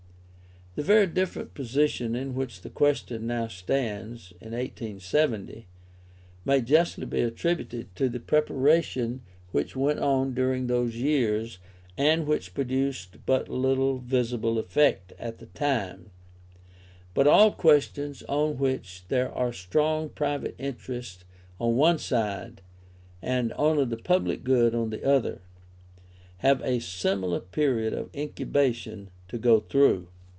The very different position in which the question now stands (1870) may justly be attributed to the preparation which went on during those years, and which produced but little visible effect at the time; but all questions on which there are strong private interests on one side, and only the public good on the other, have a similar period of incubation to go through.